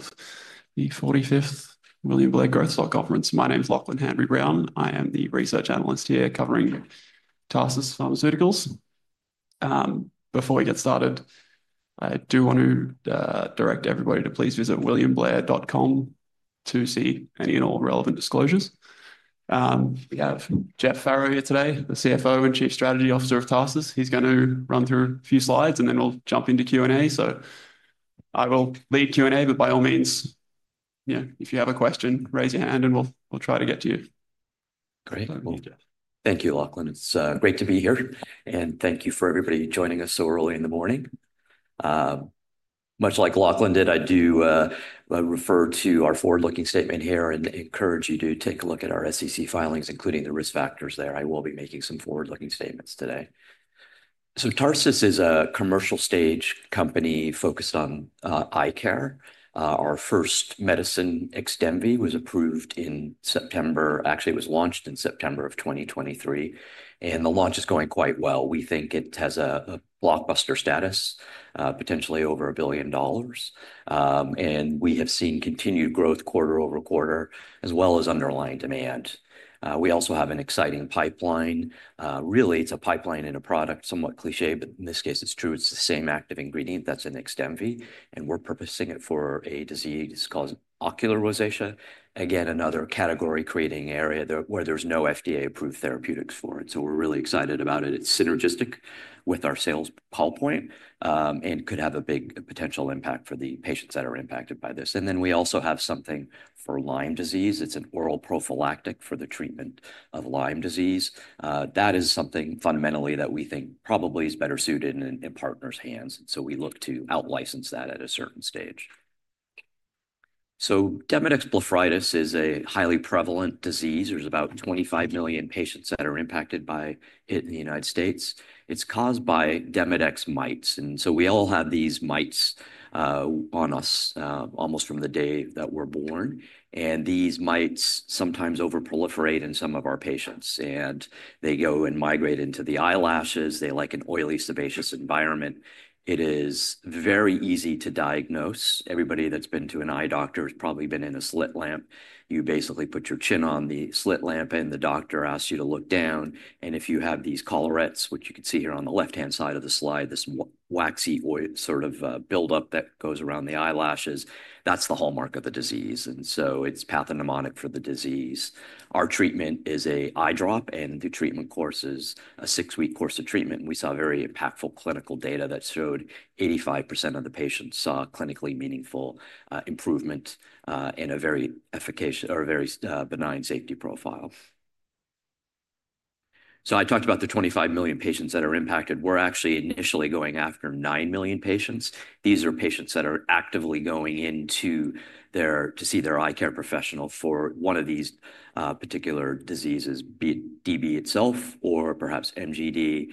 to the 45th Million Black Girls' Health Conference. My name's Lachlan Henry Brown. I am the research analyst here covering Tarsus Pharmaceuticals. Before we get started, I do want to direct everybody to please visit williamblair.com to see any and all relevant disclosures. We have Jeff Farrow here today, the CFO and Chief Strategy Officer of Tarsus. He's going to run through a few slides, and then we'll jump into Q&A. I will lead Q&A, but by all means, you know, if you have a question, raise your hand and we'll try to get to you. Great. Thank you, Lachlan. It's great to be here. Thank you for everybody joining us so early in the morning. Much like Lachlan did, I do refer to our forward-looking statement here and encourage you to take a look at our SEC filings, including the risk factors there. I will be making some forward-looking statements today. Tarsus is a commercial stage company focused on eye care. Our first medicine, XDEMVY, was approved in September, actually, it was launched in September of 2023. The launch is going quite well. We think it has a blockbuster status, potentially over $1 billion. We have seen continued growth quarter-over-quarter, as well as underlying demand. We also have an exciting pipeline. Really, it's a pipeline and a product, somewhat cliché, but in this case, it's true. It's the same active ingredient that's in XDEMVY. We're purposing it for a disease called ocular rosacea, again, another category-creating area where there's no FDA-approved therapeutics for it. We're really excited about it. It's synergistic with our sales pull point and could have a big potential impact for the patients that are impacted by this. We also have something for Lyme disease. It's an oral prophylactic for the treatment of Lyme disease. That is something fundamentally that we think probably is better suited in a partner's hands. We look to out-license that at a certain stage. Demodex blepharitis is a highly prevalent disease. There's about 25 million patients that are impacted by it in the United States. It's caused by Demodex mites. We all have these mites on us almost from the day that we're born. These mites sometimes over-proliferate in some of our patients. They go and migrate into the eyelashes. They like an oily, sebaceous environment. It is very easy to diagnose. Everybody that's been to an eye doctor has probably been in a slit lamp. You basically put your chin on the slit lamp, and the doctor asks you to look down. If you have these collarets, which you can see here on the left-hand side of the slide, this waxy sort of buildup that goes around the eyelashes, that's the hallmark of the disease. It is pathognomonic for the disease. Our treatment is an eye drop, and the treatment course is a six-week course of treatment. We saw very impactful clinical data that showed 85% of the patients saw clinically meaningful improvement in a very efficacious or very benign safety profile. I talked about the 25 million patients that are impacted. We're actually initially going after nine million patients. These are patients that are actively going in to see their eye care professional for one of these particular diseases, DB itself, or perhaps MGD,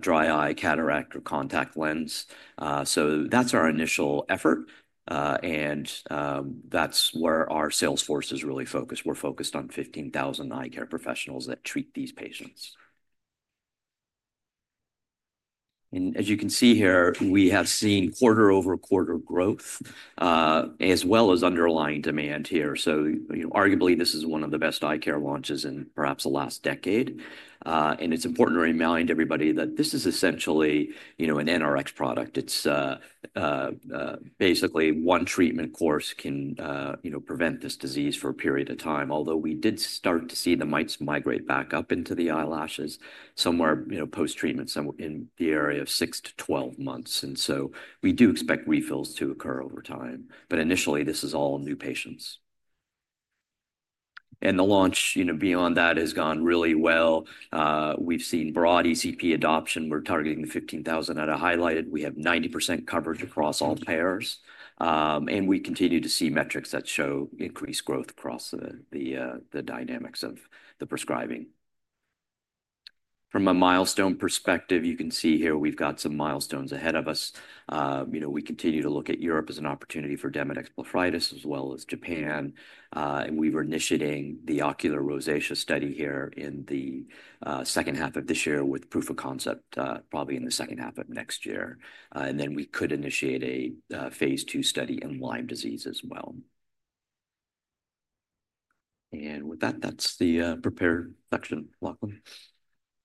dry eye, cataract, or contact lens. That is our initial effort. That is where our sales force is really focused. We're focused on 15,000 eye care professionals that treat these patients. As you can see here, we have seen quarter-over-quarter growth as well as underlying demand here. Arguably, this is one of the best eye care launches in perhaps the last decade. It is important to remind everybody that this is essentially an NRX product. It is basically one treatment course can prevent this disease for a period of time, although we did start to see the mites migrate back up into the eyelashes somewhere post-treatment in the area of 6-12 months. We do expect refills to occur over time. Initially, this is all new patients. The launch beyond that has gone really well. We've seen broad ECP adoption. We're targeting the 15,000 that are highlighted. We have 90% coverage across all payers. We continue to see metrics that show increased growth across the dynamics of the prescribing. From a milestone perspective, you can see here we've got some milestones ahead of us. We continue to look at Europe as an opportunity for Demodex blepharitis as well as Japan. We're initiating the ocular rosacea study here in the second half of this year with proof of concept probably in the second half of next year. We could initiate a phase II study in Lyme disease as well. With that, that's the prepared section, Lachlan.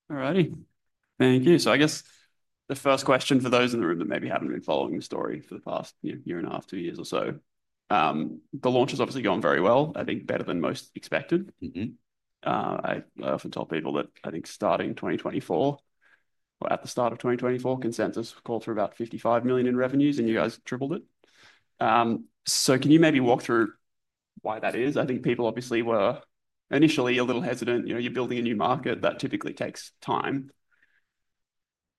All righty. Thank you. I guess the first question for those in the room that maybe haven't been following the story for the past year and a half, two years or so, the launch has obviously gone very well, I think better than most expected. I often tell people that I think starting 2024 or at the start of 2024, Consensus called for about $55 million in revenues, and you guys tripled it. Can you maybe walk through why that is? I think people obviously were initially a little hesitant. You're building a new market that typically takes time,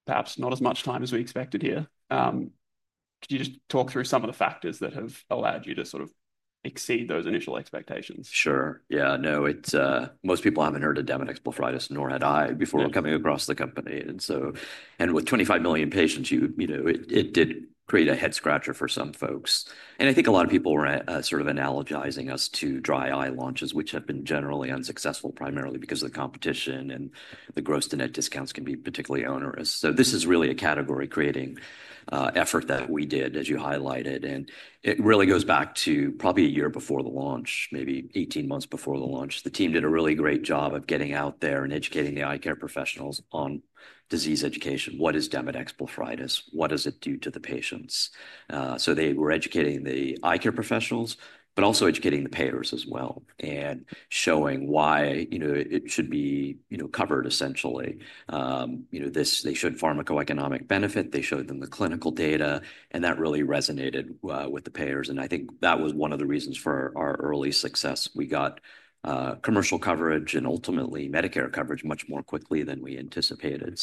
perhaps not as much time as we expected here. Could you just talk through some of the factors that have allowed you to sort of exceed those initial expectations? Sure. Yeah. No, most people haven't heard of Demodex blepharitis, nor had I before coming across the company. With 25 million patients, it did create a head-scratcher for some folks. I think a lot of people were sort of analogizing us to dry eye launches, which have been generally unsuccessful primarily because of the competition and the gross-to-net discounts can be particularly onerous. This is really a category-creating effort that we did, as you highlighted. It really goes back to probably a year before the launch, maybe 18 months before the launch. The team did a really great job of getting out there and educating the eye care professionals on disease education. What is Demodex blepharitis? What does it do to the patients? They were educating the eye care professionals, but also educating the payers as well and showing why it should be covered essentially. They showed pharmacoeconomic benefit. They showed them the clinical data. That really resonated with the payers. I think that was one of the reasons for our early success. We got commercial coverage and ultimately Medicare coverage much more quickly than we anticipated.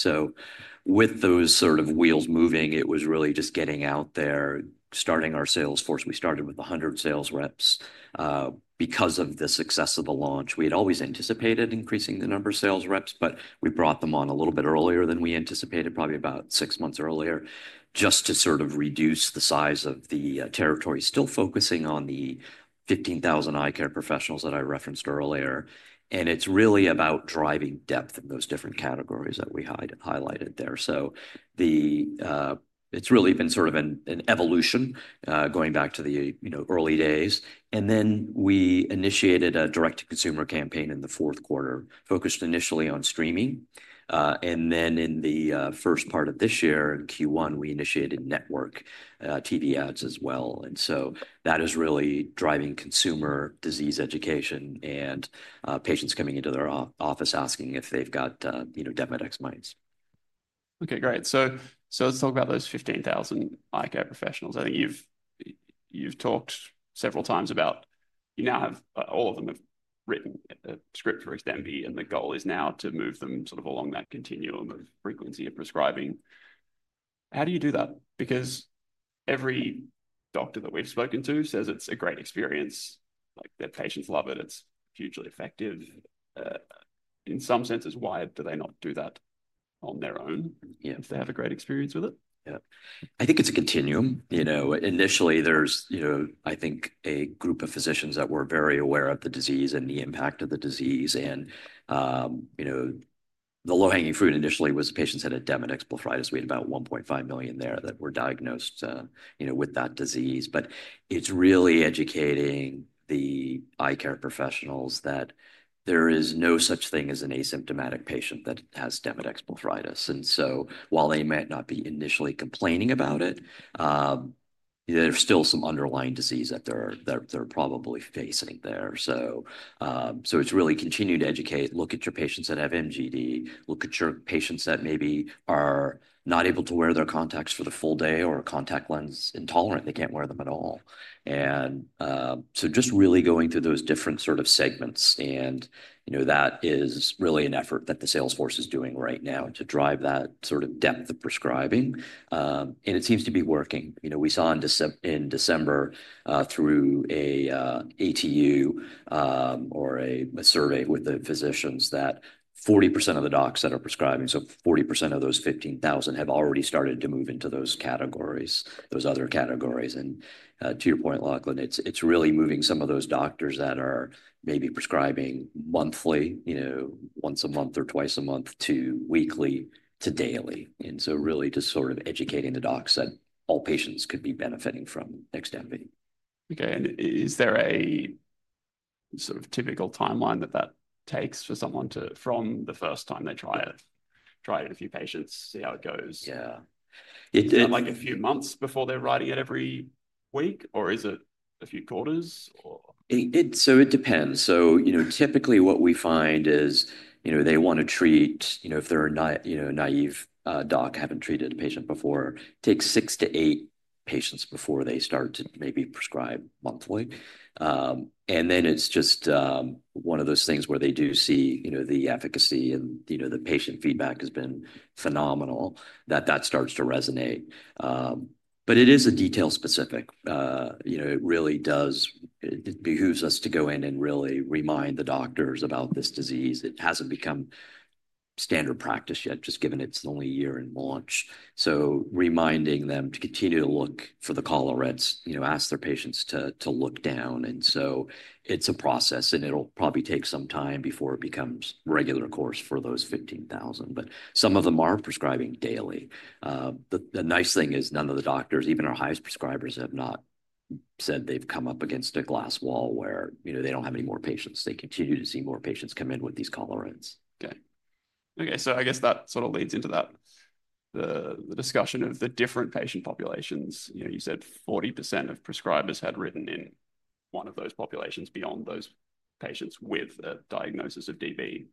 With those sort of wheels moving, it was really just getting out there, starting our sales force. We started with 100 sales reps. Because of the success of the launch, we had always anticipated increasing the number of sales reps, but we brought them on a little bit earlier than we anticipated, probably about six months earlier, just to sort of reduce the size of the territory, still focusing on the 15,000 eye care professionals that I referenced earlier. It's really about driving depth in those different categories that we highlighted there. It's really been sort of an evolution going back to the early days. Then we initiated a direct-to-consumer campaign in the fourth quarter, focused initially on streaming. In the first part of this year, in Q1, we initiated network TV ads as well. That is really driving consumer disease education and patients coming into their office asking if they've got Demodex mites. Okay, great. Let's talk about those 15,000 eye care professionals. I think you've talked several times about you now have all of them have written a script for XDEMVY, and the goal is now to move them sort of along that continuum of frequency of prescribing. How do you do that? Because every doctor that we've spoken to says it's a great experience, like their patients love it, it's hugely effective. In some senses, why do they not do that on their own if they have a great experience with it? Yeah. I think it's a continuum. Initially, there's, I think, a group of physicians that were very aware of the disease and the impact of the disease. The low-hanging fruit initially was patients had a Demodex blepharitis. We had about 1.5 million there that were diagnosed with that disease. It's really educating the eye care professionals that there is no such thing as an asymptomatic patient that has Demodex blepharitis. While they might not be initially complaining about it, there's still some underlying disease that they're probably facing there. It's really continued educate. Look at your patients that have MGD. Look at your patients that maybe are not able to wear their contacts for the full day or contact lens intolerant. They can't wear them at all. Just really going through those different sort of segments. That is really an effort that the sales force is doing right now to drive that sort of depth of prescribing. It seems to be working. We saw in December through an ATU or a survey with the physicians that 40% of the docs that are prescribing, so 40% of those 15,000, have already started to move into those categories, those other categories. To your point, Lachlan, it's really moving some of those doctors that are maybe prescribing monthly, once a month or twice a month, to weekly to daily. Really just sort of educating the docs that all patients could be benefiting from XDEMVY. Okay. Is there a sort of typical timeline that that takes for someone from the first time they try it, try it in a few patients, see how it goes? Yeah. Is that like a few months before they're writing it every week, or is it a few quarters? It depends. Typically what we find is they want to treat if they're a naive doc, haven't treated a patient before, take six-eight patients before they start to maybe prescribe monthly. Then it's just one of those things where they do see the efficacy and the patient feedback has been phenomenal, that that starts to resonate. It is detail-specific. It really does behoove us to go in and really remind the doctors about this disease. It hasn't become standard practice yet, just given it's the only year in launch. Reminding them to continue to look for the collarets, ask their patients to look down. It's a process, and it'll probably take some time before it becomes regular course for those 15,000. Some of them are prescribing daily. The nice thing is none of the doctors, even our highest prescribers, have not said they've come up against a glass wall where they don't have any more patients. They continue to see more patients come in with these collarets. Okay. Okay. I guess that sort of leads into the discussion of the different patient populations. You said 40% of prescribers had written in one of those populations beyond those patients with a diagnosis of DB.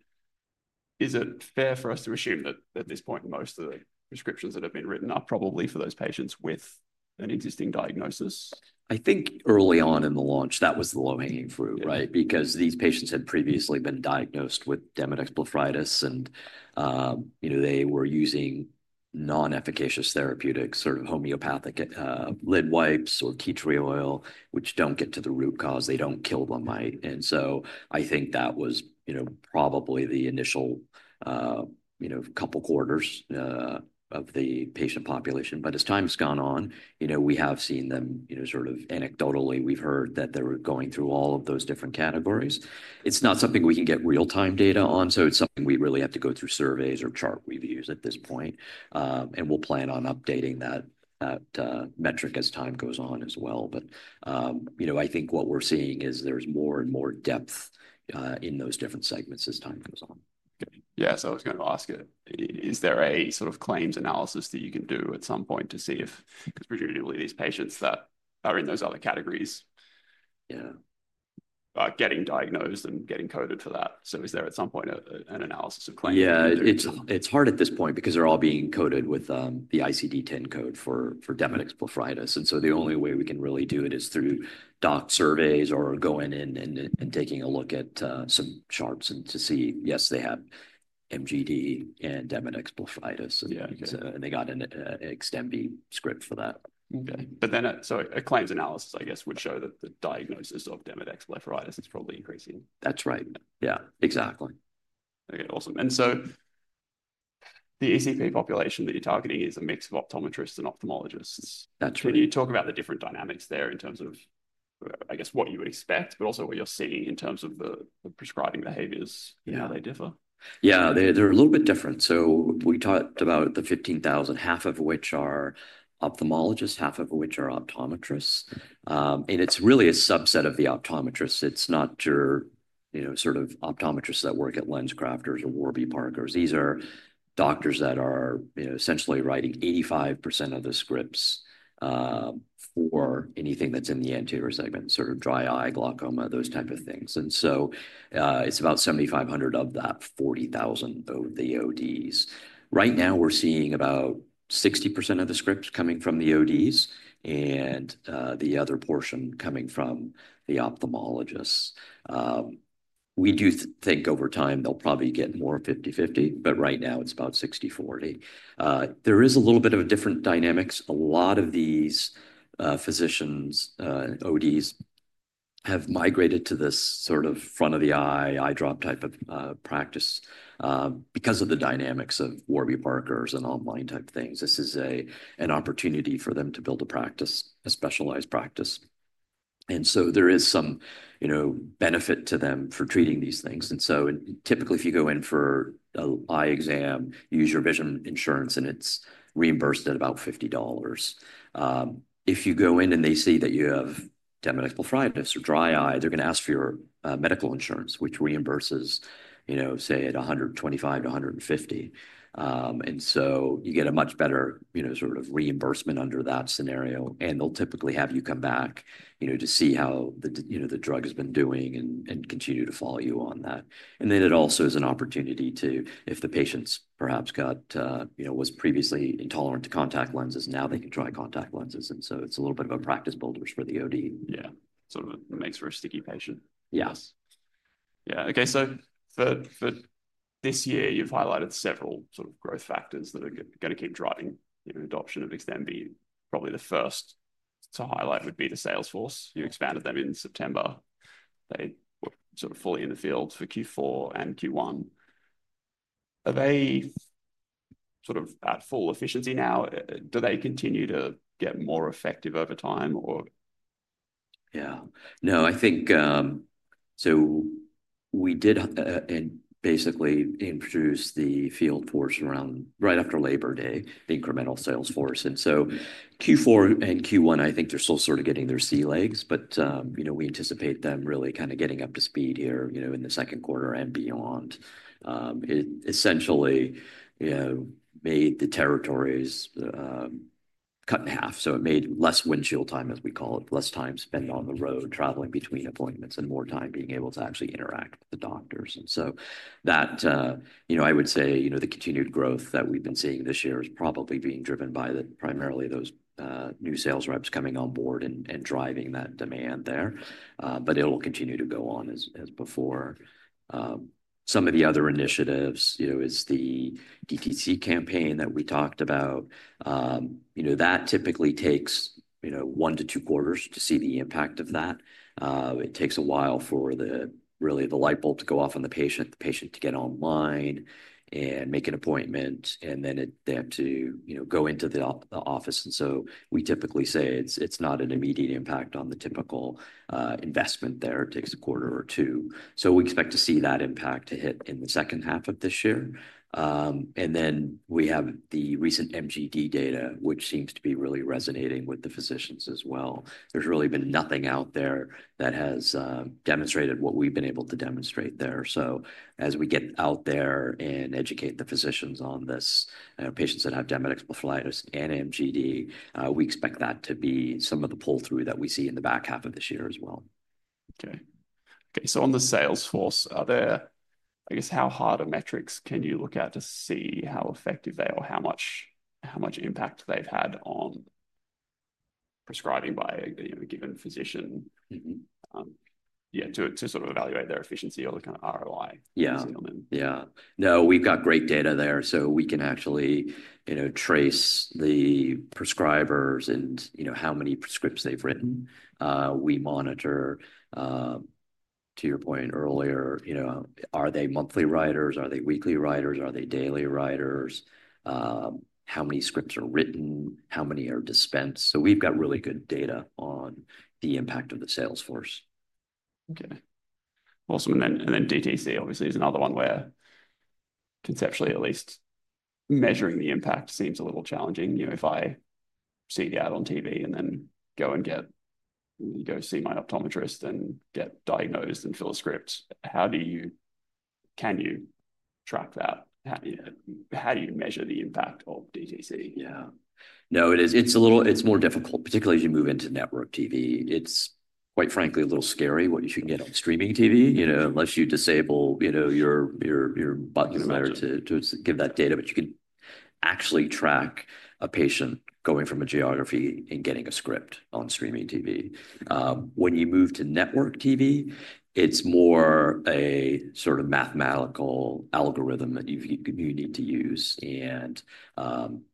Is it fair for us to assume that at this point, most of the prescriptions that have been written are probably for those patients with an existing diagnosis? I think early on in the launch, that was the low-hanging fruit, right? Because these patients had previously been diagnosed with Demodex blepharitis, and they were using non-efficacious therapeutic sort of homeopathic lid wipes or tea tree oil, which do not get to the root cause. They do not kill the mite. I think that was probably the initial couple quarters of the patient population. As time has gone on, we have seen them sort of anecdotally. We have heard that they were going through all of those different categories. It is not something we can get real-time data on. It is something we really have to go through surveys or chart reviews at this point. We will plan on updating that metric as time goes on as well. I think what we are seeing is there is more and more depth in those different segments as time goes on. Okay. Yeah. So I was going to ask it, is there a sort of claims analysis that you can do at some point to see if it's presumably these patients that are in those other categories are getting diagnosed and getting coded for that? So is there at some point an analysis of claims? Yeah. It's hard at this point because they're all being coded with the ICD-10 code for Demodex blepharitis. The only way we can really do it is through doc surveys or going in and taking a look at some charts to see, yes, they have MGD and Demodex blepharitis. And they got an XDEMVY script for that. Okay. A claims analysis, I guess, would show that the diagnosis of Demodex blepharitis is probably increasing. That's right. Yeah, exactly. Okay. Awesome. The ECP population that you're targeting is a mix of optometrists and ophthalmologists. That's right. Can you talk about the different dynamics there in terms of, I guess, what you expect, but also what you're seeing in terms of the prescribing behaviors, how they differ? Yeah, they're a little bit different. We talked about the 15,000, half of which are ophthalmologists, half of which are optometrists. It's really a subset of the optometrists. It's not your sort of optometrists that work at LensCrafters or Warby Parkers. These are doctors that are essentially writing 85% of the scripts for anything that's in the anterior segment, sort of dry eye, glaucoma, those type of things. It's about 7,500 of that 40,000 of the ODs. Right now, we're seeing about 60% of the scripts coming from the ODs and the other portion coming from the ophthalmologists. We do think over time they'll probably get more 50/50, but right now it's about 60/40. There is a little bit of a different dynamics. A lot of these physicians, ODs, have migrated to this sort of front-of-the-eye, eyedrop type of practice because of the dynamics of Warby Parkers and online type things. This is an opportunity for them to build a practice, a specialized practice. There is some benefit to them for treating these things. Typically, if you go in for an eye exam, you use your vision insurance, and it is reimbursed at about $50. If you go in and they see that you have Demodex blepharitis or dry eye, they are going to ask for your medical insurance, which reimburses, say, at $125-$150. You get a much better sort of reimbursement under that scenario. They will typically have you come back to see how the drug has been doing and continue to follow you on that. It also is an opportunity to, if the patient's perhaps got, was previously intolerant to contact lenses, now they can try contact lenses. It is a little bit of a practice builder for the OD. Yeah. Sort of makes for a sticky patient. Yes. Yeah. Okay. So for this year, you've highlighted several sort of growth factors that are going to keep driving adoption of XDEMVY. Probably the first to highlight would be the sales force. You expanded them in September. They were sort of fully in the field for Q4 and Q1. Are they sort of at full efficiency now? Do they continue to get more effective over time, or? Yeah. No, I think so we did basically introduce the field force around right after Labor Day, the incremental sales force. Q4 and Q1, I think they're still sort of getting their sea legs, but we anticipate them really kind of getting up to speed here in the second quarter and beyond. It essentially made the territories cut in half. It made less windshield time, as we call it, less time spent on the road traveling between appointments and more time being able to actually interact with the doctors. I would say the continued growth that we've been seeing this year is probably being driven by primarily those new sales reps coming on board and driving that demand there. It'll continue to go on as before. Some of the other initiatives is the DTC campaign that we talked about. That typically takes one to two quarters to see the impact of that. It takes a while for really the light bulb to go off on the patient, the patient to get online and make an appointment, and then they have to go into the office. We typically say it's not an immediate impact on the typical investment there. It takes a quarter or two. We expect to see that impact hit in the second half of this year. We have the recent MGD data, which seems to be really resonating with the physicians as well. There's really been nothing out there that has demonstrated what we've been able to demonstrate there. As we get out there and educate the physicians on this, patients that have Demodex blepharitis and MGD, we expect that to be some of the pull-through that we see in the back half of this year as well. Okay. Okay. So on the sales force, are there, I guess, how hard are metrics can you look at to see how effective they are or how much impact they've had on prescribing by a given physician? Yeah, to sort of evaluate their efficiency or the kind of ROI you're seeing on them? Yeah. Yeah. No, we've got great data there. We can actually trace the prescribers and how many scripts they've written. We monitor, to your point earlier, are they monthly writers? Are they weekly writers? Are they daily writers? How many scripts are written? How many are dispensed? We've got really good data on the impact of the sales force. Okay. Awesome. DTC, obviously, is another one where conceptually, at least, measuring the impact seems a little challenging. If I see the ad on TV and then go see my optometrist and get diagnosed and fill a script, can you track that? How do you measure the impact of DTC? Yeah. No, it's more difficult, particularly as you move into network TV. It's quite frankly a little scary what you should get on streaming TV unless you disable your button in order to give that data. But you can actually track a patient going from a geography and getting a script on streaming TV. When you move to network TV, it's more a sort of mathematical algorithm that you need to use. And there's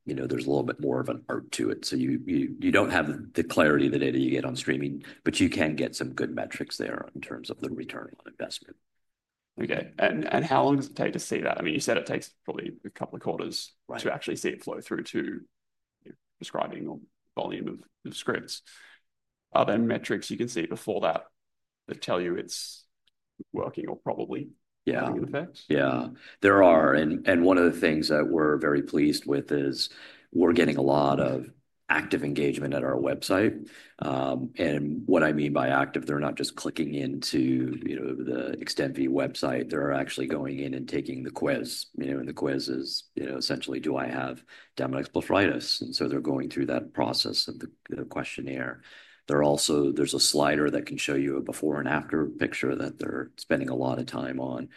a little bit more of an art to it. You don't have the clarity of the data you get on streaming, but you can get some good metrics there in terms of the return on investment. Okay. How long does it take to see that? I mean, you said it takes probably a couple of quarters to actually see it flow through to prescribing volume of scripts. Are there metrics you can see before that that tell you it's working or probably in effect? Yeah. There are. One of the things that we're very pleased with is we're getting a lot of active engagement at our website. What I mean by active, they're not just clicking into the XDEMVY website. They're actually going in and taking the quiz. The quiz is essentially, do I have Demodex blepharitis? They're going through that process of the questionnaire. There's a slider that can show you a before-and-after picture that they're spending a lot of time on.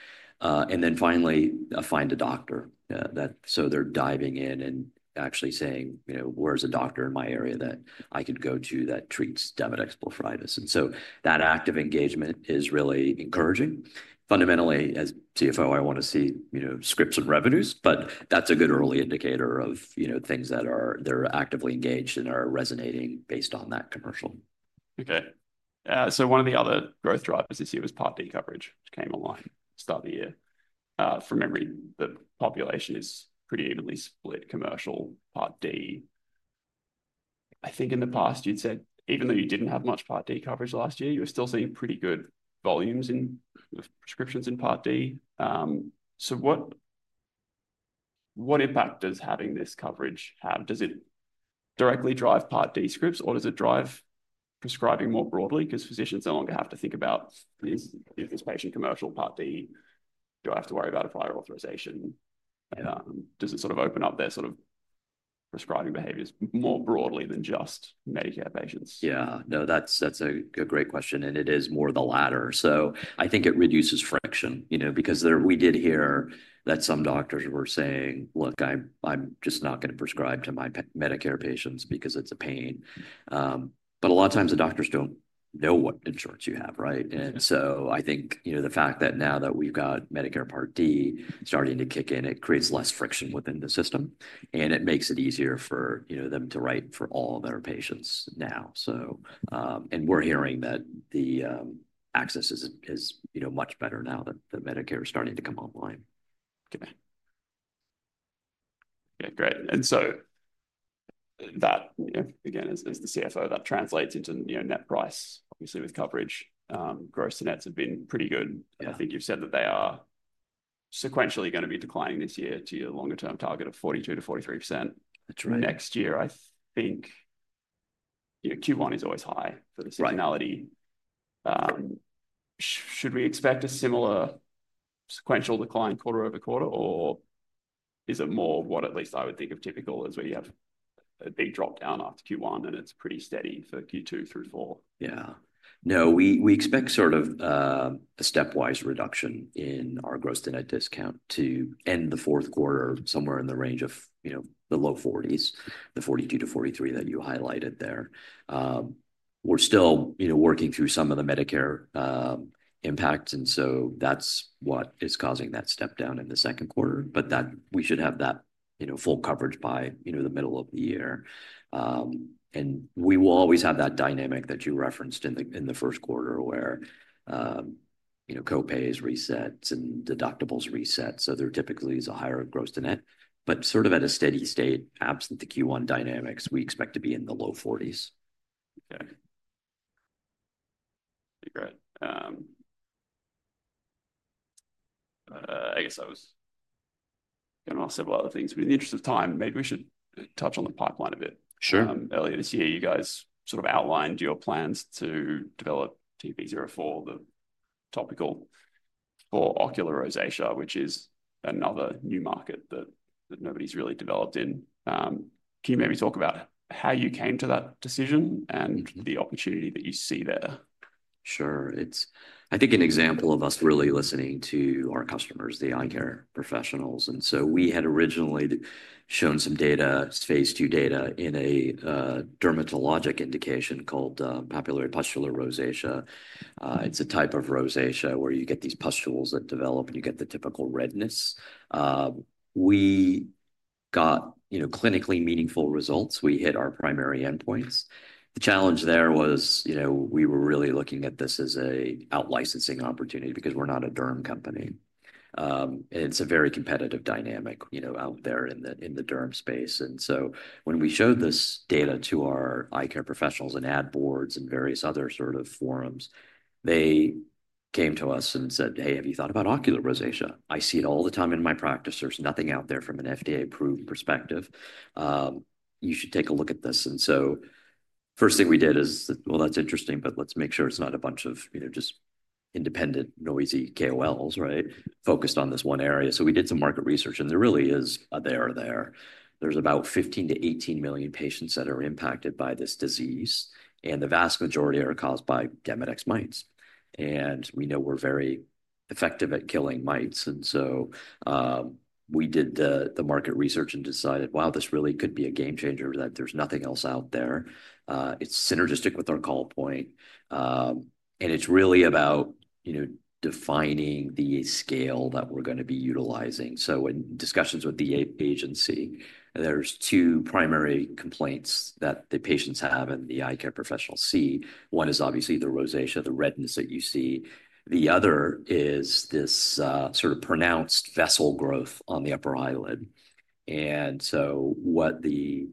Finally, find a doctor. They're diving in and actually saying, where's a doctor in my area that I could go to that treats Demodex blepharitis? That active engagement is really encouraging. Fundamentally, as CFO, I want to see scripts and revenues, but that's a good early indicator of things that they're actively engaged and are resonating based on that commercial. Okay. So one of the other growth drivers this year was Part D coverage, which came online at the start of the year. From memory, the population is pretty evenly split commercial, Part D. I think in the past, you'd said, even though you didn't have much Part D coverage last year, you were still seeing pretty good volumes of prescriptions in Part D. So what impact does having this coverage have? Does it directly drive Part D scripts, or does it drive prescribing more broadly because physicians no longer have to think about, is this patient commercial Part D? Do I have to worry about a prior authorization? Does it sort of open up their sort of prescribing behaviors more broadly than just Medicare patients? Yeah. No, that's a great question. It is more the latter. I think it reduces friction because we did hear that some doctors were saying, "Look, I'm just not going to prescribe to my Medicare patients because it's a pain." A lot of times, the doctors don't know what insurance you have, right? I think the fact that now that we've got Medicare Part D starting to kick in, it creates less friction within the system. It makes it easier for them to write for all of their patients now. We're hearing that the access is much better now that the Medicare is starting to come online. Okay. Okay. Great. That, again, as the CFO, that translates into net price, obviously, with coverage. Gross nets have been pretty good. I think you've said that they are sequentially going to be declining this year to your longer-term target of 42%-43%. That's right. Next year, I think Q1 is always high for the seasonality. Should we expect a similar sequential decline quarter-over-quarter, or is it more what at least I would think of typical as we have a big drop down after Q1, and it's pretty steady for Q2 through Q4? Yeah. No, we expect sort of a stepwise reduction in our gross net discount to end the fourth quarter somewhere in the range of the low 40s, the 42%-43% that you highlighted there. We're still working through some of the Medicare impacts, and that is what is causing that step down in the second quarter. We should have that full coverage by the middle of the year. We will always have that dynamic that you referenced in the first quarter where copays reset and deductibles reset. There typically is a higher gross to net, but sort of at a steady state absent the Q1 dynamics, we expect to be in the low 40s. Okay. Okay. Great. I guess I was going to ask several other things. In the interest of time, maybe we should touch on the pipeline a bit. Sure. Earlier this year, you guys sort of outlined your plans to develop TP-04, the topical for ocular rosacea, which is another new market that nobody's really developed in. Can you maybe talk about how you came to that decision and the opportunity that you see there? Sure. I think an example of us really listening to our customers, the eye care professionals. We had originally shown some data, phase II data in a dermatologic indication called papillary pustular rosacea. It's a type of rosacea where you get these pustules that develop, and you get the typical redness. We got clinically meaningful results. We hit our primary endpoints. The challenge there was we were really looking at this as an out-licensing opportunity because we're not a derm company. It's a very competitive dynamic out there in the derm space. When we showed this data to our eye care professionals and ad boards and various other sort of forums, they came to us and said, "Hey, have you thought about ocular rosacea? I see it all the time in my practice. There's nothing out there from an FDA-approved perspective. You should take a look at this." The first thing we did is, "That's interesting, but let's make sure it's not a bunch of just independent noisy KOLs," right, focused on this one area. We did some market research, and there really is a there there. There are about 15-18 million patients that are impacted by this disease, and the vast majority are caused by Demodex mites. We know we're very effective at killing mites. We did the market research and decided, "Wow, this really could be a game changer that there's nothing else out there." It's synergistic with our call point. It's really about defining the scale that we're going to be utilizing. In discussions with the agency, there are two primary complaints that the patients have and the eye care professionals see. One is obviously the rosacea, the redness that you see. The other is this sort of pronounced vessel growth on the upper eyelid. What the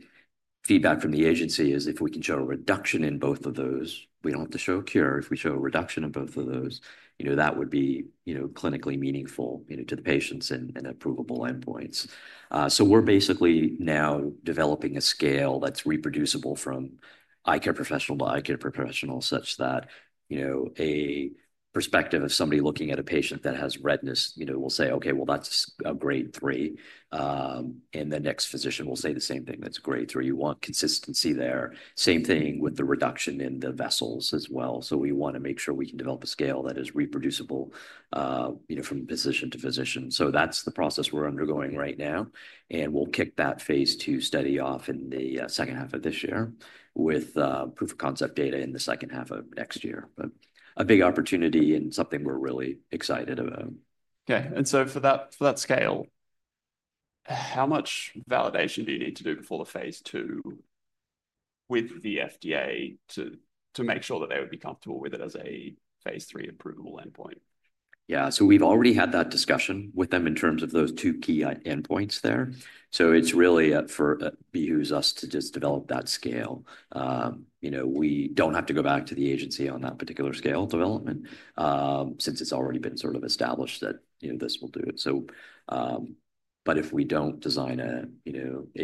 feedback from the agency is, if we can show a reduction in both of those, we do not have to show a cure. If we show a reduction in both of those, that would be clinically meaningful to the patients and approvable endpoints. We are basically now developing a scale that is reproducible from eye care professional to eye care professional such that a perspective of somebody looking at a patient that has redness will say, "Okay, well, that is a grade three." The next physician will say the same thing, "That is grade three. You want consistency there." Same thing with the reduction in the vessels as well. We want to make sure we can develop a scale that is reproducible from physician to physician. That is the process we are undergoing right now. We will kick that phase II study off in the second half of this year with proof of concept data in the second half of next year. A big opportunity and something we are really excited about. Okay. For that scale, how much validation do you need to do before the phase II with the FDA to make sure that they would be comfortable with it as a phase III approvable endpoint? Yeah. So we've already had that discussion with them in terms of those two key endpoints there. It is really for users to just develop that scale. We do not have to go back to the agency on that particular scale development since it has already been sort of established that this will do it. If we do not design a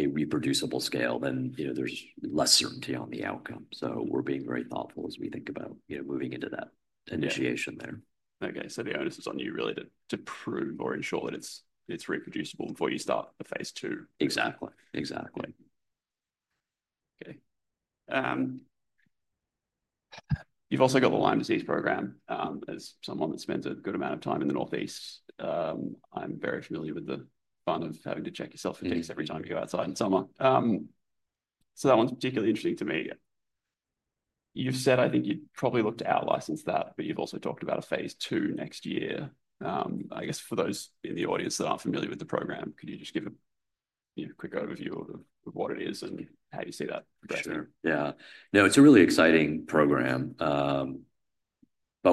reproducible scale, then there is less certainty on the outcome. We are being very thoughtful as we think about moving into that initiation there. Okay. The onus is on you really to prove or ensure that it's reproducible before you start the phase II. Exactly. Exactly. Okay. You've also got the Lyme disease program. As someone that spends a good amount of time in the Northeast, I'm very familiar with the fun of having to check yourself for ticks every time you go outside in summer. That one's particularly interesting to me. You've said, I think you'd probably look to out-license that, but you've also talked about a phase II next year. I guess for those in the audience that aren't familiar with the program, could you just give a quick overview of what it is and how you see that progressing? Sure. Yeah. No, it's a really exciting program, but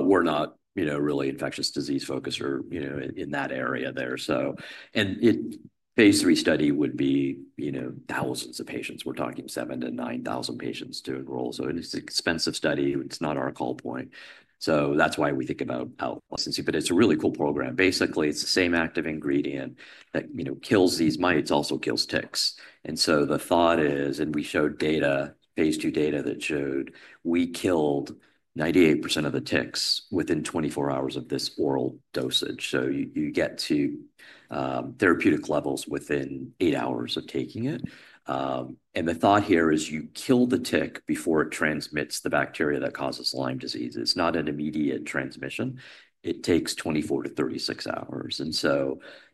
we're not really infectious disease-focused or in that area there. A phase III study would be thousands of patients. We're talking 7,000-9,000 patients to enroll. It's an expensive study. It's not our call point. That's why we think about out-licensing, but it's a really cool program. Basically, it's the same active ingredient that kills these mites, also kills ticks. The thought is, and we showed phase II data that showed we killed 98% of the ticks within 24 hours of this oral dosage. You get to therapeutic levels within eight hours of taking it. The thought here is you kill the tick before it transmits the bacteria that causes Lyme disease. It's not an immediate transmission. It takes 24-36 hours.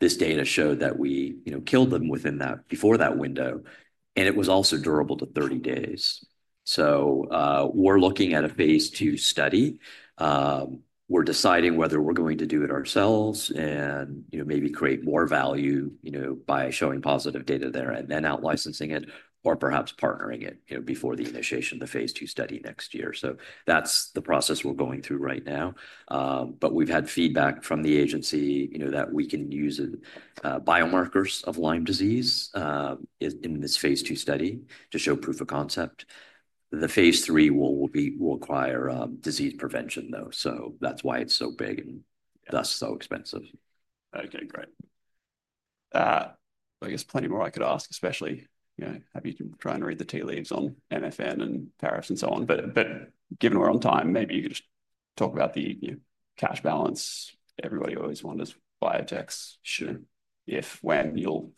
This data showed that we killed them within that before that window. It was also durable to 30 days. We are looking at a phase II study. We are deciding whether we are going to do it ourselves and maybe create more value by showing positive data there and then out-licensing it or perhaps partnering it before the initiation of the phase II study next year. That is the process we are going through right now. We have had feedback from the agency that we can use biomarkers of Lyme disease in this phase II study to show proof of concept. The phase III will require disease prevention, though. That is why it is so big and thus so expensive. Okay. Great. I guess plenty more I could ask, especially have you been trying to read the tea leaves on MFN and Paris and so on. Given we're on time, maybe you could just talk about the cash balance. Everybody always wonders biotechs should, if, when you'll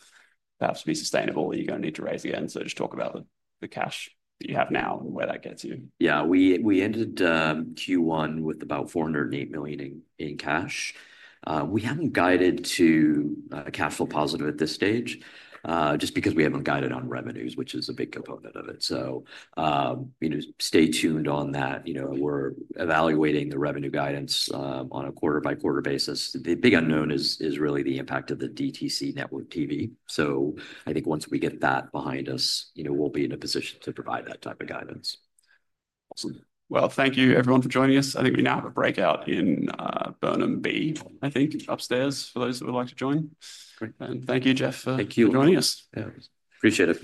perhaps be sustainable or you're going to need to raise again. Just talk about the cash that you have now and where that gets you. Yeah. We ended Q1 with about $408 million in cash. We haven't guided to cash flow positive at this stage just because we haven't guided on revenues, which is a big component of it. So stay tuned on that. We're evaluating the revenue guidance on a quarter-by-quarter basis. The big unknown is really the impact of the DTC network TV. So I think once we get that behind us, we'll be in a position to provide that type of guidance. Awesome. Thank you, everyone, for joining us. I think we now have a breakout in Burnham B, upstairs for those that would like to join. Thank you, Jeff, for joining us. Thank you. Appreciate it.